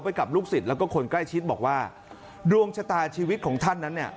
กับลูกศิษย์แล้วก็คนใกล้ชิดบอกว่าดวงชะตาชีวิตของท่านนั้นเนี่ย